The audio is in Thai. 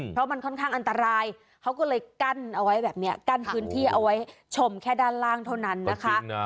เพราะมันค่อนข้างอันตรายเขาก็เลยกั้นเอาไว้แบบนี้กั้นพื้นที่เอาไว้ชมแค่ด้านล่างเท่านั้นนะคะ